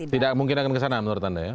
tidak mungkin akan kesana menurut anda ya